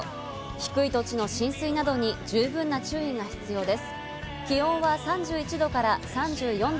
低い土地の浸水などに十分な注意が必要です。